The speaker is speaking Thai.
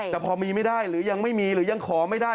แต่พอมีไม่ได้หรือยังไม่มีหรือยังขอไม่ได้